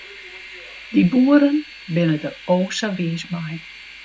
Dy boeren binne der o sa wiis mei.